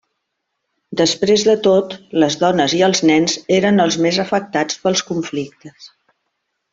Després de tot, les dones i els nens eren els més afectats pels conflictes.